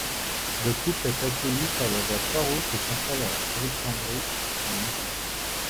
Le couple est accueilli par le roi Farouk et s'installe à Alexandrie, en Égypte.